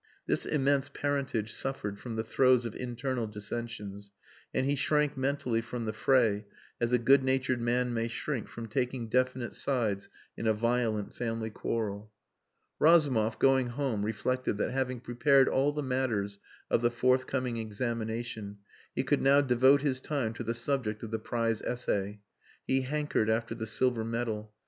This immense parentage suffered from the throes of internal dissensions, and he shrank mentally from the fray as a good natured man may shrink from taking definite sides in a violent family quarrel. Razumov, going home, reflected that having prepared all the matters of the forthcoming examination, he could now devote his time to the subject of the prize essay. He hankered after the silver medal.